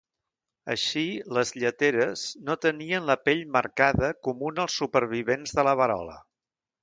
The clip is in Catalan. Així, les lleteres no tenien la pell "marcada" comuna als supervivents de la verola.